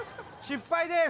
失敗です